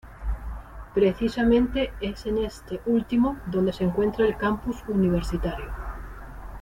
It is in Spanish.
Precisamente es en este último donde se encuentra el Campus Universitario.